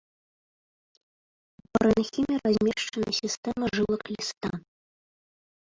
У парэнхіме размешчана сістэма жылак ліста.